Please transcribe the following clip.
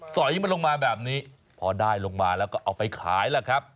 อยมันลงมาแบบนี้พอได้ลงมาแล้วก็เอาไปขายล่ะครับ